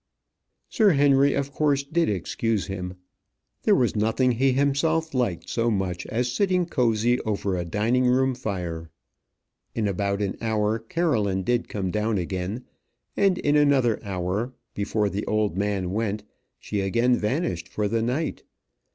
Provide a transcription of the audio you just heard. Sir Henry of course did excuse him. There was nothing he himself liked so much as sitting cosy over a dining room fire. In about an hour Caroline did come down again; and in another hour, before the old man went, she again vanished for the night.